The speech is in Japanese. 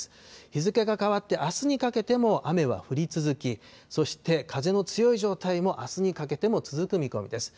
日付が変わってあすにかけても雨は降り続き、そして風の強い状態もあすにかけても続く見込みです。